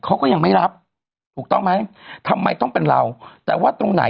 เขาก็ยังไม่รับถูกต้องไหมทำไมต้องเป็นเราแต่ว่าตรงไหน